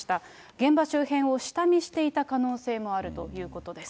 現場周辺を下見していた可能性もあるということです。